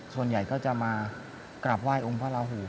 ส่วนใหญ่ก็จะมากราบไห้องค์พระราหู